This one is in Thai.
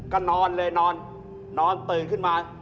ก็นอนเลยนอนนอนตื่นขึ้นมา